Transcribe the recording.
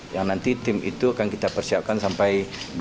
yang nanti tim itu akan kita persiapkan sampai dua ribu dua puluh empat